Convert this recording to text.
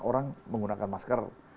orang menggunakan masker